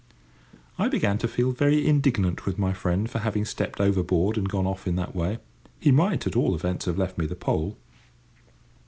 I began to feel very indignant with my friend for having stepped overboard and gone off in that way. He might, at all events, have left me the pole.